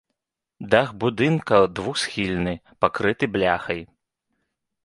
Дах будынка двухсхільны, пакрыты бляхай.